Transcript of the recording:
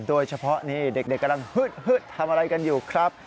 โดยเฉพาะนี่เด็กกำลังฮึดทำอะไรกันอยู่ครับ